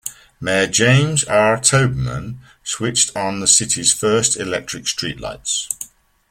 Mayor James R Toberman switched on the city's first electric streetlights.